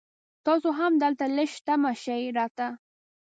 تاسو هم دلته لږ دمه شي را ته